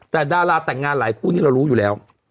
แต่ดาราแต่งงานหลายคู่นี้เรารู้อยู่แล้ว